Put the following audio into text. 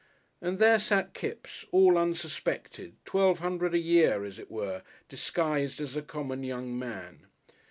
And there sat Kipps, all unsuspected, twelve hundred a year, as it were, disguised as a common young man.